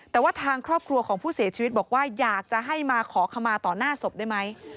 แต่ว่าทางครอบครัวของผู้เสียชีวิตบอกว่าอยากจะให้มาขอขมาต่อหน้าศพได้ไหม